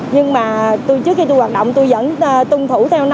nhưng mà trước khi tôi hoạt động tôi vẫn tuân thủ theo năm k